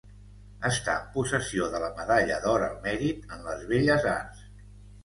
Està en possessió de la Medalla d'Or al Mèrit en les Belles Arts.